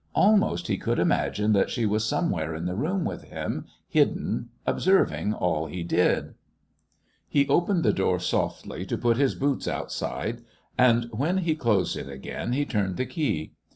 Almost he could imagine that she was somewhere in the room with him, hidden, observing all he did. He opened the door softly to put his boots outside, and when he closed it again he turned the key.